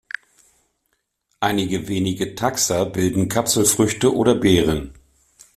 Einige wenige Taxa bilden Kapselfrüchte oder Beeren.